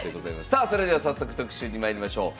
さあそれでは早速特集にまいりましょう。